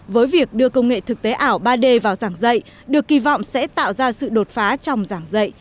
với việc đưa công nghệ thực tế ảo ba d vào giảng dạy được kỳ vọng sẽ tạo ra sự đột phá trong giảng dạy